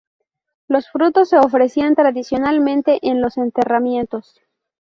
Los frutos se ofrecían tradicionalmente en los enterramientos.